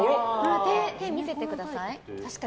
手、見せてください。